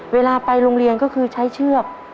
เวลาไปโรงเรียนก็คือใช้เชือก